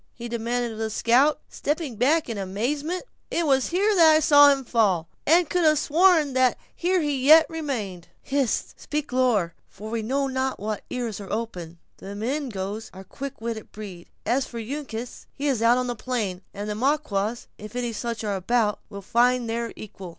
he demanded of the scout, stepping back in amazement; "it was here that I saw him fall, and could have sworn that here he yet remained." "Hist! speak lower; for we know not what ears are open, and the Mingoes are a quick witted breed. As for Uncas, he is out on the plain, and the Maquas, if any such are about us, will find their equal."